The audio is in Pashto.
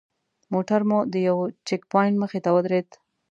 موټر مو د یوه چیک پواینټ مخې ته ودرېد.